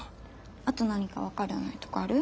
あと何か分からないとこある？